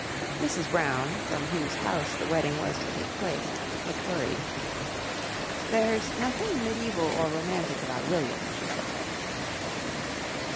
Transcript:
Mrs. Brown (from whose house the wedding was to take place) looked worried. "There's nothing mediæval or romantic about William," she said.